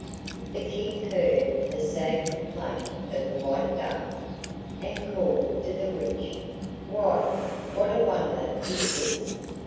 The King heard the sad complaint of the White Duck, and called to the witch: 'Wife, what a wonder is this?